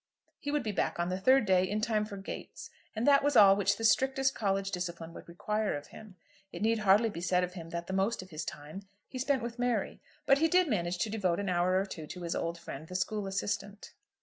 He would be back on the third day, in time for "gates"; and that was all which the strictest college discipline would require of him. It need hardly be said of him that the most of his time he spent with Mary; but he did manage to devote an hour or two to his old friend, the school assistant.